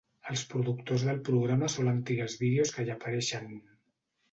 Els productors del programa solen triar els vídeos que hi apareixen.